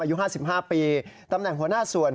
อายุ๕๕ปีตำแหน่งหัวหน้าส่วน